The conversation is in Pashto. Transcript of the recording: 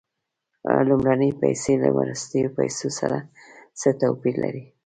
لومړنۍ پیسې له وروستیو پیسو سره څه توپیر لري